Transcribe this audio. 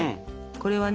これはね。